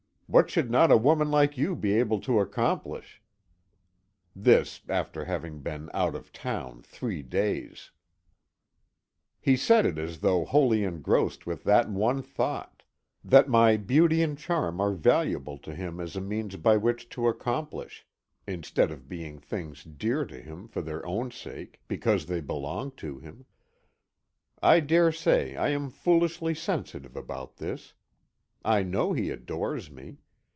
What should not a woman like you be able to accomplish " This, after having been out of town three days! He said it as though wholly engrossed with that one thought that my beauty and charm are valuable to him as a means by which to accomplish, instead of being things dear to him for their own sake, because they belong to him. I daresay I am foolishly sensitive about this. I know he adores me.